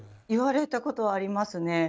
言われたことありますね。